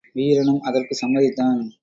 வீரனும் அதற்குச் சம்மதித்தான்.